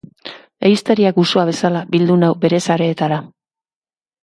Ehiztariak usoa bezala bildu nau bere sareetara.